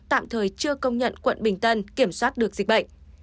tạm thời chưa công nhận quận bình tân kiểm soát được dịch bệnh